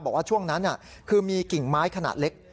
บอกว่าช่วงนั้นคือมีกิ่งไม้ขนาดเล็ก